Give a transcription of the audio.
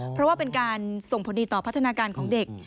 เพราะว่าเป็นการส่งผลดีต่อพัฒนาการของเด็ก